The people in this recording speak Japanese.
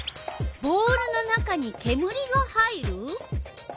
「ボールの中にけむりが入る」？